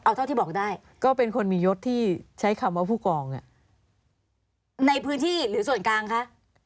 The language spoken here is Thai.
เอาเท่าที่บอกได้ก็เป็นคนมียศที่ใช้คำว่าผู้กองในพื้นที่หรือส่วนกลางคะ